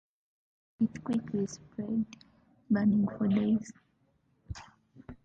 It quickly spread, burning for days.